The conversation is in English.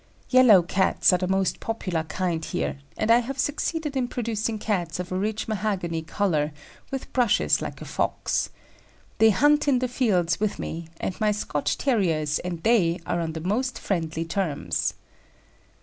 Yellow Cats are the most popular kind here, and I have succeeded in producing Cats of a rich mahogany colour with brushes like a fox. They hunt in the fields with me, and my Scotch terriers and they are on the most friendly terms."